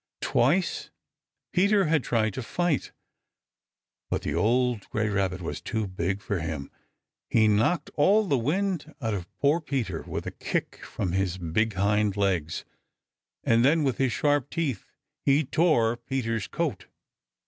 Twice Peter had tried to fight, but the old gray Rabbit was too big for him. He knocked all the wind out of poor Peter with a kick from his big hind legs, and then with his sharp teeth he tore Peter's coat.